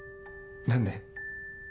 何で？